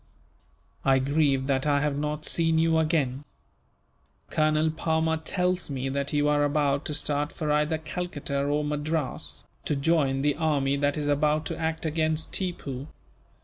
"I grieve that I have not seen you again. Colonel Palmer tells me that you are about to start for either Calcutta or Madras, to join the army that is about to act against Tippoo.